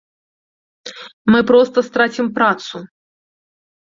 Мы проста страцім працу.